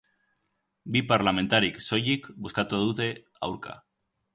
Bi parlamentarik soilik bozkatu dute aurka.